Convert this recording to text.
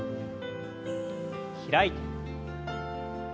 開いて。